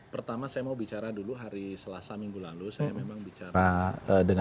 pertama saya mau bicara dulu hari selasa minggu lalu saya memang bicara dengan